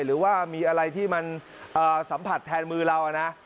หรือว่ามีอะไรที่มันสัมผัสแทนมือเรานะ